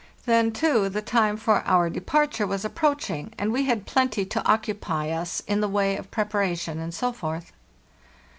Then, too, the time for our departure was ap proaching, and we had plenty to occupy us in the way of preparation and so forth.